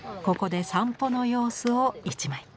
ここで散歩の様子を一枚。